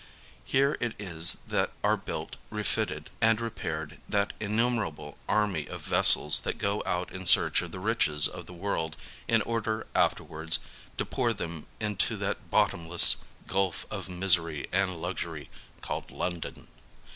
Here it is that are built, refitted and repaired that innumer able army of vessels that go out in search of the riches of the world in order afterwards to pour them into that bot tomless gulf of misery and luxury called London.